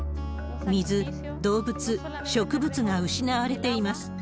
水、動物、植物が失われています。